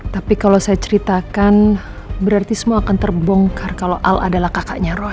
tapi kalau saya ceritakan berarti semua akan terbongkar kalau al adalah kakaknya roh